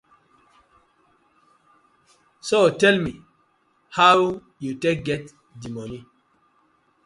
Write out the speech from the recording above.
So tell me, how yu tak get di moni?